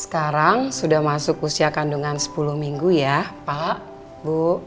sekarang sudah masuk usia kandungan sepuluh minggu ya pak